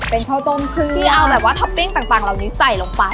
เป็นข้าวต้มเครื่องที่เอาแบบว่าท็อปปิ้งต่างเหล่านี้ใส่ลงไป